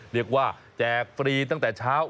เรียกว่าแจกฟรีตั้งแต่เช้า